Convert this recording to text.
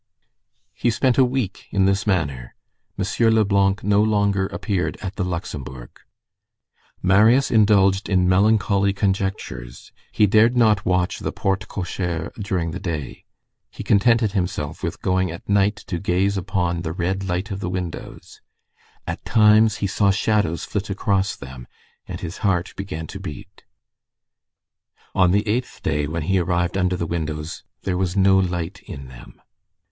He spent a week in this manner. M. Leblanc no longer appeared at the Luxembourg. Marius indulged in melancholy conjectures; he dared not watch the porte cochère during the day; he contented himself with going at night to gaze upon the red light of the windows. At times he saw shadows flit across them, and his heart began to beat. On the eighth day, when he arrived under the windows, there was no light in them.